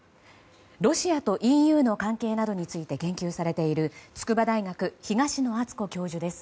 ロシアとＥＵの関係などについて研究されている筑波大学、東野篤子教授です。